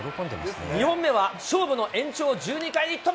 ２本目は勝負の延長１２回。